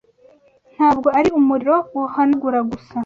Ntabwo ari umuriro wohanagura gusa?